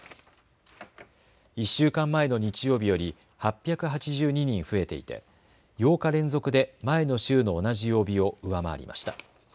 １週間前の日曜日より８８２人増えていて８日連続で前の週の同じ曜日を上回りました。